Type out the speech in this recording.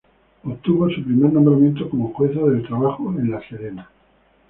Obtuvo su primer nombramiento como jueza del trabajo en La Serena.